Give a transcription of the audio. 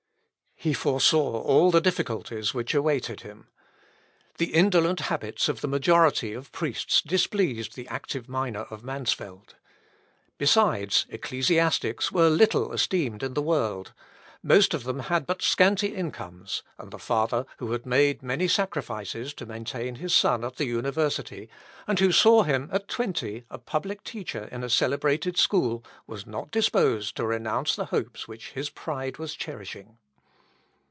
He foresaw all the difficulties which awaited him. The indolent habits of the majority of priests displeased the active miner of Mansfeld. Besides, ecclesiastics were little esteemed in the world; most of them had but scanty incomes, and the father, who had made many sacrifices to maintain his son at the university, and who saw him at twenty a public teacher in a celebrated school, was not disposed to renounce the hopes which his pride was cherishing.